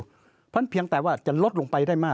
เพราะฉะนั้นเพียงแต่ว่าจะลดลงไปได้มาก